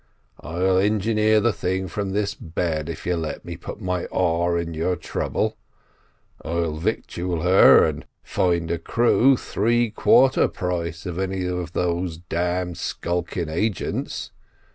I'll engineer the thing from this bed if you'll let me put my oar in your trouble; I'll victual her, and find a crew three quarter price of any of those d d skulking agents.